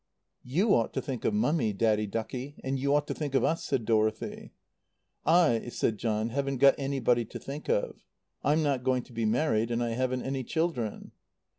"You ought to think of Mummy, Daddy ducky; and you ought to think of us," said Dorothy. "I," said John, "haven't got anybody to think of. I'm not going to be married, and I haven't any children."